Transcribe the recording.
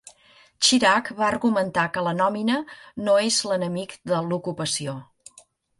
Chirac va argumentar que "la nòmina no és l'enemic de l'ocupació".